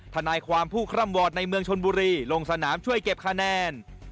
ทนายความผู้คร่ำวอร์ดในเมืองชนบุรีลงสนามช่วยเก็บคะแนน